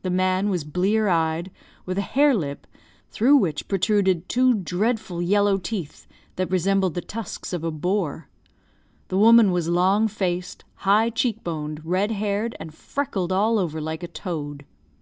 The man was blear eyed, with a hare lip, through which protruded two dreadful yellow teeth that resembled the tusks of a boar. The woman was long faced, high cheek boned, red haired, and freckled all over like a toad.